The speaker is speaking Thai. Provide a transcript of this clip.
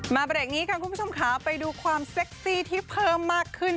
เบรกนี้ค่ะคุณผู้ชมค่ะไปดูความเซ็กซี่ที่เพิ่มมากขึ้น